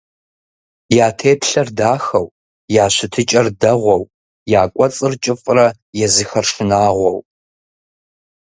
Я теплъэр дахэу, я щытыкӀэр дэгъуэу, я кӀуэцӀыр кӀыфӀрэ, езыхэр шынагъуэу.